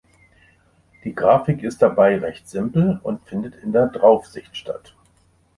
Die Grafik ist dabei recht simpel und findet in der Draufsicht statt.